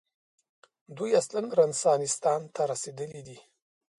دوی اصلاً رنسانستان ته رسېدلي دي.